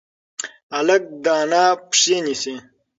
هلک د انا پښې نیسي.